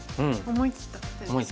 思い切った手。